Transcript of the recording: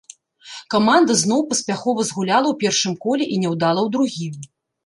Каманда зноў паспяхова згуляла ў першым коле і няўдала ў другім.